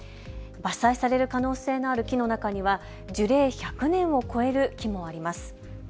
伐採される可能性のある木の中には樹齢１００年を超える木もあります。